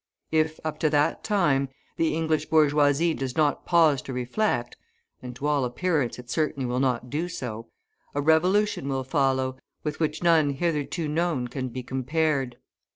If, up to that time, the English bourgeoisie does not pause to reflect and to all appearance it certainly will not do so a revolution will follow with which none hitherto known can be compared.